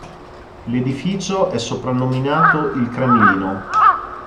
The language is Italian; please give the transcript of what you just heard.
L'edificio è soprannominato "Il Cremlino".